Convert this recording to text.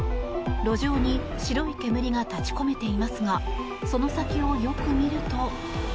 路上に白い煙が立ち込めていますがその先をよく見ると。